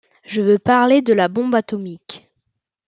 Je veux parler de la bombe atomique.